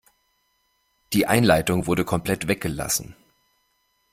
Die Einleitung wurde komplett weggelassen.